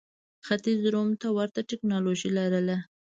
ختیځ روم ته ورته ټکنالوژي لرله.